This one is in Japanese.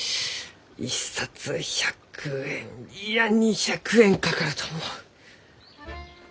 一冊１００円いや２００円かかると思う。